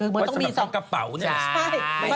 สำหรับทำกระเป๋าเนี่ย